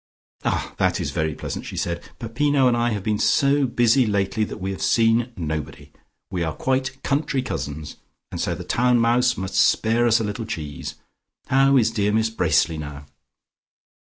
"Ah, that is very pleasant," she said. "Peppino and I have been so busy lately that we have seen nobody. We are quite country cousins, and so the town mouse must spare us a little cheese. How is dear Miss Bracely now?"